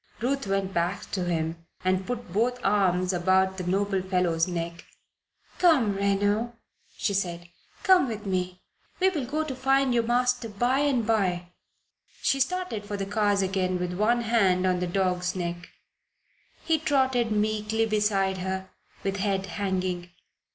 Ruth went back to him and put both arms about the noble fellow's neck. "Come, Reno," she said "Come with me. We will go to find your master by and by." She started for the cars again, with one hand on the dog's neck. He trotted meekly beside her with head hanging.